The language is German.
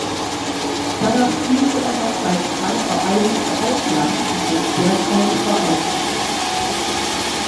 Danach spielte er noch bei zwei Vereinen im Ausland und ist derzeit vereinslos.